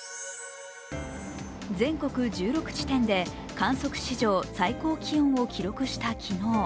全国１６地点で観測史上最高気温を記録した昨日。